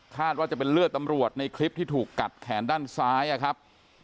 ว่าจะเป็นเลือดตำรวจในคลิปที่ถูกกัดแขนด้านซ้ายนะครับ